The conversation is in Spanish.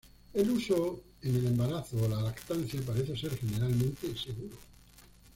El uso en el embarazo o la lactancia parece ser generalmente seguro.